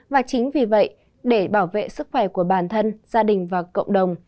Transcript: và chính vì vậy để bảo vệ sức khỏe của bản thân gia đình và cộng đồng